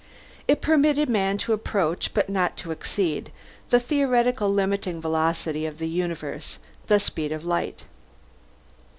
It permitted man to approach, but not to exceed, the theoretical limiting velocity of the universe: the speed of light.